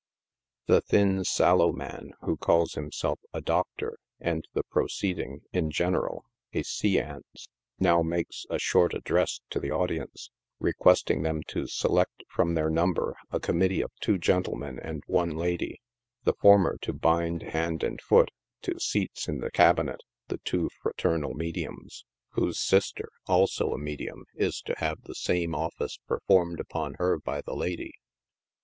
The thin, sallow man, who calls himself a " Doctor," and the pro ceeding, in general, a " see ants, j; now makes a short address to the audience, requesting them to select from their number a committee of two gentlemen and one lady— the former to bind hand and foot, to seats in the cabinet, the two fraternal mediums, v/hose sister, also 90 NIGHT SIDE OP NEW YORK. a medium, is to have the same office performed upon her by the lady.